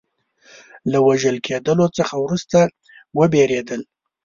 له وژل کېدلو څخه وروسته وبېرېدل.